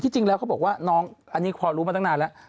จริงแล้วเขาบอกว่าน้องอันนี้พอรู้มาตั้งนานแล้ว